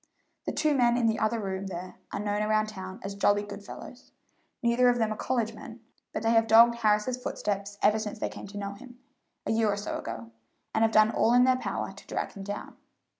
The two men in the other room there are known around town as jolly good fellows; neither of them are college men, but they have dogged Harris's footsteps ever since they came to know him, a year or so ago, and have done all in their power to drag him down.